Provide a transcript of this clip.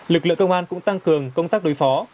lực lượng công an cũng tăng cường công tác đối phó